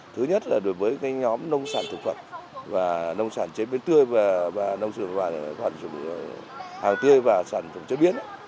thứ nhất là đối với nhóm nông sản thực phẩm và nông sản chế biến tươi và nông sản hàng tươi và sản phẩm chế biến